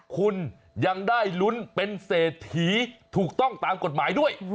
คุณยังได้ลุ้นเป็นเศรษฐีถูกต้องตามกฎหมายด้วย